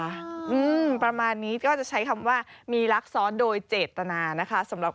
คำประมาณนี้ก็จะใช้คำว่ามีลักษณ์โดยเจตนานะคะสำหรับ๖๐๐๖